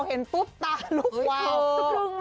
เห็นปุ๊บตาลุกวาว